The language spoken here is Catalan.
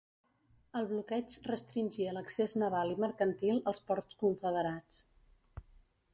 El bloqueig restringia l'accés naval i mercantil als ports confederats.